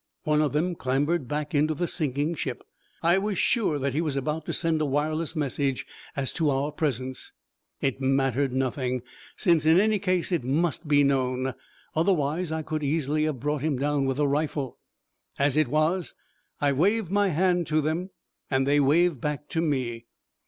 One of them clambered back into the sinking ship. I was sure that he was about to send a wireless message as to our presence. It mattered nothing, since, in any case, it must be known; otherwise I could easily have brought him down with a rifle. As it was, I waved my hand to them, and they waved back to me.